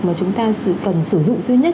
mà chúng ta cần sử dụng duy nhất